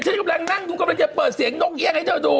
ฉันกำลังนั่งดูกำลังจะเปิดเสียงนกเอี่ยงให้เธอดู